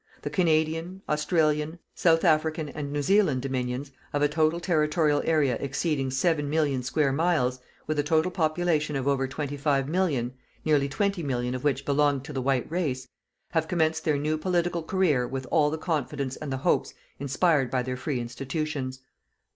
The Canadian, Australian, South African, and New Zealand Dominions, of a total territorial area exceeding 7,000,000 square miles, with a total population of over 25,000,000, nearly 20,000,000 of which belong to the white race, have commenced their new political career with all the confidence and the hopes inspired by their free institutions.